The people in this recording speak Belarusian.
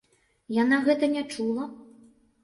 Яна гэта не чула?